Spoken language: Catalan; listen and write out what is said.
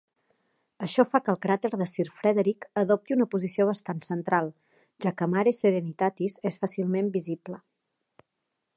Això fa que el cràter de Sir Frederick adopti una posició bastant central, ja que Mare Serenitatis és fàcilment visible.